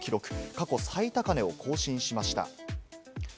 過去最高値を更新しました。